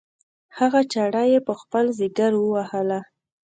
هغه چاړه یې په خپل ځګر ووهله.